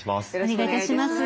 お願い致します。